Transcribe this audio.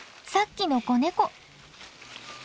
さっきの子ネコ。